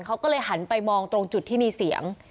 เขาก็เลยหันไปมองตรงจุดที่มีเสียง